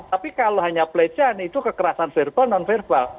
tapi kalau hanya pelecehan itu kekerasan verbal non verbal